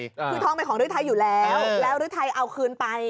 คือทองเป็นของรึทย์ไทยอยู่แล้วแล้วรึทย์ไทยเอาคืนไป